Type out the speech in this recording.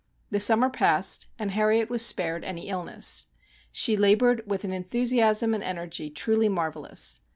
The summer passed, and Harriet was spared any illness. She labored with an enthusiasm and energy truly marvellous.